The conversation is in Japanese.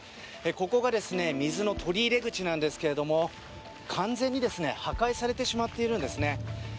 ここが水の取り入れ口なんですけれども完全に破壊されてしまっているんですね。